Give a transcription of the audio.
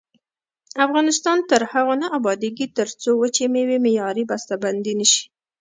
افغانستان تر هغو نه ابادیږي، ترڅو وچې میوې معیاري بسته بندي نشي.